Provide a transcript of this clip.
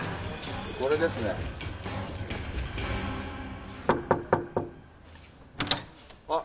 これですねあっ